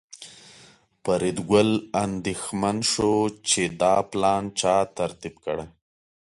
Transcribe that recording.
فریدګل اندېښمن شو چې دا پلان چا ترتیب کړی